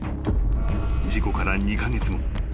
［事故から２カ月後］